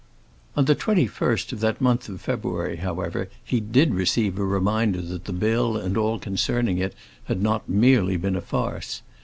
On the 21st of that month of February, however, he did receive a reminder that the bill and all concerning it had not merely been a farce.